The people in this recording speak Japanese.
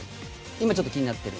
今ちょっと気になってる。